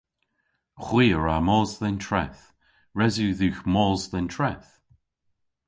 Hwi a wra mos dhe'n treth. Res yw dhywgh mos dhe'n treth.